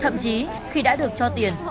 thậm chí khi đã được cho tiền